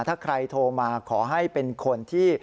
ถ้าใครโทรมาขอให้เป็นคนที่